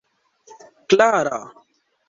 klara